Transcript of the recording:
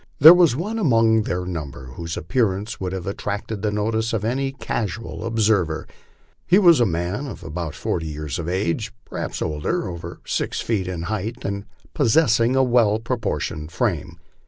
There was one among their number whose appearance would have attracted the notice of any casual observer. He was a man about forty years of age, perhaps older, over six feet in height, and possessing a well proportioned frame.